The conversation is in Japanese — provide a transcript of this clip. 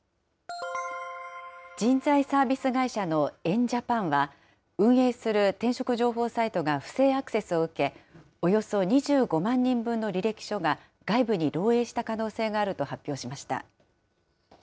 人材サービス会社のエン・ジャパンは、運営する転職情報サイトが不正アクセスを受け、およそ２５万人分の履歴書が外部に漏えいした可能性があると発表しました。